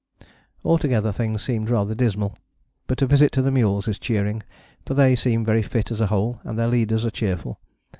Altogether things seemed rather dismal, but a visit to the mules is cheering, for they seem very fit as a whole and their leaders are cheerful.